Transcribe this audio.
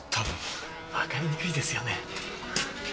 分かりにくいですよね。